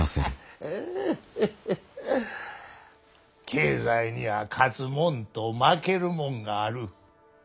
経済には勝つもんと負けるもんがある。